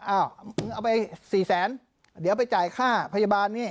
อ้าวเอาไปสี่แสนเดี๋ยวไปจ่ายค่าพยาบาลนี้นะ